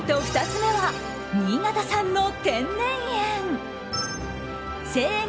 ２つ目は新潟産の天然塩。